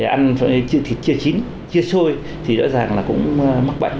ăn thịt chưa chín chưa sôi thì rõ ràng là cũng mắc bệnh